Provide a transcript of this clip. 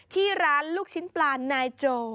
ที่ร้านลูกชิ้นปลานายโจ